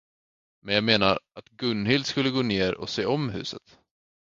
Men jag menar, att Gunhild skulle gå ner och se om huset.